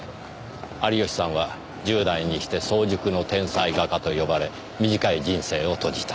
有吉さんは十代にして早熟の天才画家と呼ばれ短い人生を閉じた。